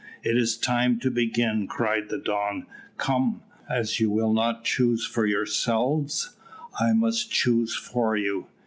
"It is time to begin," cried the Don. "Come, as you will not choose for yourselves, I must choose for you.